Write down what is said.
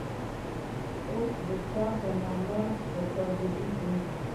اوس د چا په نوم صادریږي؟